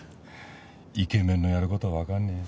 イケメンのやる事はわかんねえな。